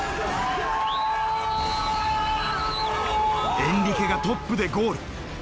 エンリケがトップでゴール。